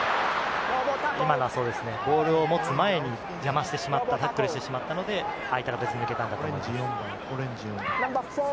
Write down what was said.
今のはボールを持つ前に邪魔してしまった、タックルしてしまったので、ああいった形で抜けたんだと思います。